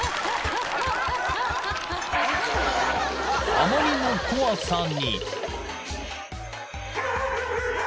［あまりの怖さに］